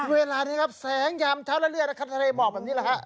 เวลานี้แสงหยามเช้าเรื่อยทะเลหมอกแบบนี้